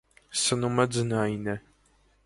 Սնումը ձնային է։